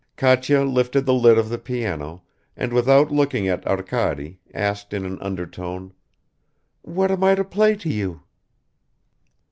Katya lifted the lid of the piano, and without looking at Arkady, asked in an undertone "What am I to play to you?"